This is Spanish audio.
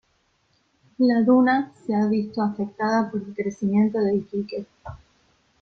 La duna se ha visto afectada por el crecimiento de Iquique.